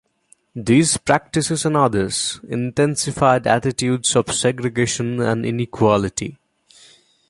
These practices and others, intensified attitudes of segregation and inequality.